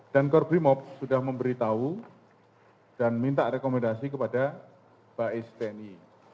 dan korpimob sudah memberitahu dan minta rekomendasi kepada baes pni